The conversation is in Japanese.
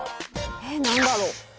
えっ何だろう？